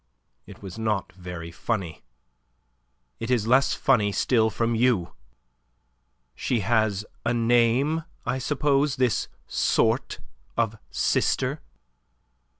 It was not very funny. It is less funny still from you. She has a name, I suppose, this sort of sister?"